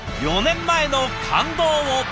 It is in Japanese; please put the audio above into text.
４年前の感動を。